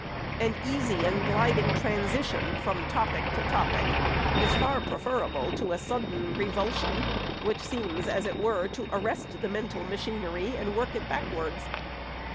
An easy and gliding transition from topic to topic is far preferable to a sudden revulsion, which seems, as it were, to arrest the mental machinery, and work it backwards.